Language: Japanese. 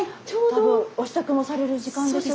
多分お支度もされる時間でしょうし。